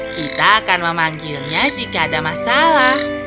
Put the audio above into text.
kita akan memanggilnya jika ada masalah